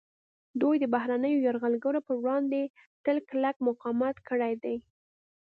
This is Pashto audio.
دوی د بهرنیو یرغلګرو پر وړاندې تل کلک مقاومت کړی دی